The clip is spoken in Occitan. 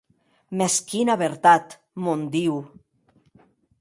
Mès quina vertat, mon Diu!